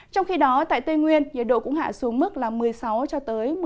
trong khi đó tại tây nguyên nhiệt độ cũng hạ xuống mức một mươi sáu một mươi chín độ